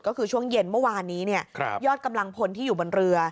ก็คือช่วงเย็นเมื่อวานนี้ยอดกำลังพลที่อยู่บนเรือ